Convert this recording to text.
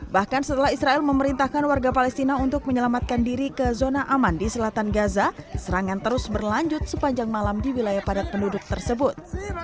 bahkan setelah israel memerintahkan warga palestina untuk menyelamatkan diri ke zona aman di selatan gaza serangan terus berlanjut sepanjang malam di wilayah padat penduduk tersebut